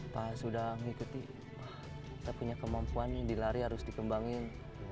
pas sudah mengikuti saya punya kemampuan dilari harus dikembangin